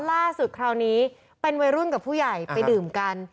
คราวนี้เป็นวัยรุ่นกับผู้ใหญ่ไปดื่มกัน